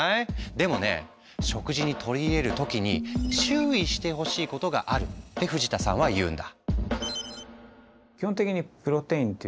でもね食事にとり入れる時に注意してほしいことがあるって藤田さんは言うんだ。